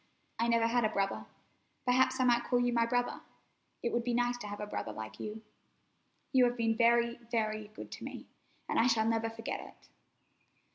I never had a brother. Perhaps I might call you my brother. It would be nice to have a brother like you. You have been very, very good to me, and I shall never forget it."